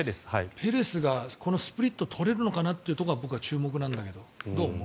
ペレスがこのスプリットをとれるのかなというのが僕注目なんだけど、どう思う？